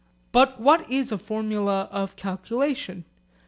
But what is a formula of calculation?